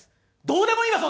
どうでもいいわ！